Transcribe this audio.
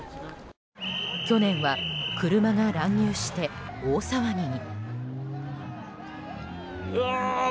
去年は、車が乱入して大騒ぎに。